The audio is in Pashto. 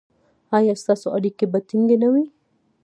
ایا ستاسو اړیکې به ټینګې نه وي؟